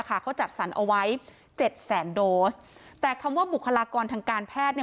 เขาจัดสรรเอาไว้เจ็ดแสนโดสแต่คำว่าบุคลากรทางการแพทย์เนี่ย